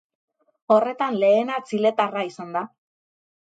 Horretan lehena txiletarra izan da.